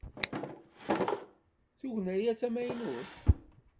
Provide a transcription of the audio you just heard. Tugna-a d tamaynut?